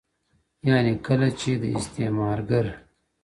ياني کله چي د استعمارګر